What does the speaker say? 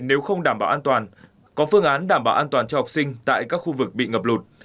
nếu không đảm bảo an toàn có phương án đảm bảo an toàn cho học sinh tại các khu vực bị ngập lụt